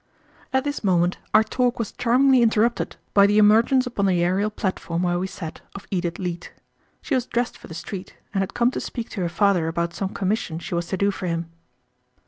At this moment our talk was charmingly interrupted by the emergence upon the aerial platform where we sat of Edith Leete. She was dressed for the street, and had come to speak to her father about some commission she was to do for him.